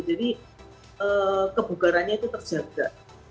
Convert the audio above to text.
jadi kebugarannya itu terjaga